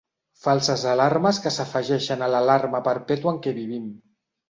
Falses alarmes que s'afegeixen a l'alarma perpètua en què vivim.